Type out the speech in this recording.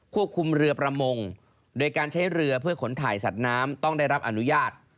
เรือประมงโดยการใช้เรือเพื่อขนถ่ายสัตว์น้ำต้องได้รับอนุญาต